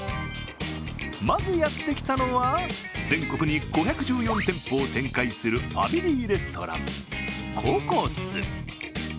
まずやってきたのは全国に５１４店舗を展開するファミリーレストラン、ココス。